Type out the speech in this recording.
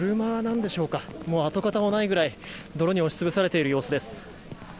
跡形もないぐらい泥に押し潰されている様子です。